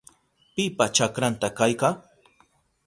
¿Pipa chakranta kayka?